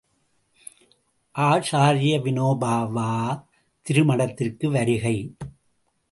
● ஆச்சார்ய வினோபா பாவே திருமடத்திற்கு வருகை.